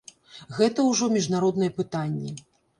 Гэта ўжо міжнародныя пытанні.